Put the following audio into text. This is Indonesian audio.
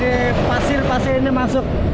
di pasir pasir ini masuk